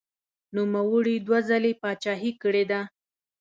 نوموړي دوه ځلې پاچاهي کړې ده.